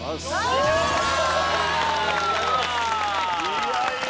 いやいや。